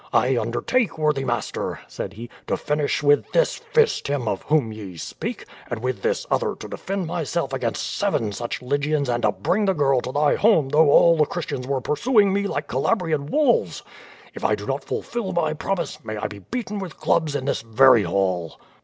"I undertake, worthy mas ter," said he, "to finish with this fist him of whom ye speak, and with this other to defend myself against seven such Ly gians and to bring the girl to thy home though all the Christ ians were pursuing me like Calabrian wolves. If I do not ful fill my promise may I be beaten with clubs in this very hall."